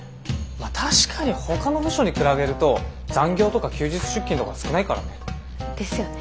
確かにほかの部署に比べると残業とか休日出勤とか少ないからね。ですよね。